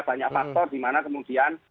banyak faktor dimana kemudian